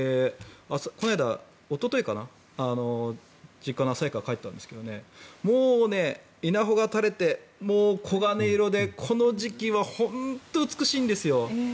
この間、おとといかな実家の旭川に帰ったんですがもう稲穂が垂れて黄金色でこの時期は本当に美しいんですよ。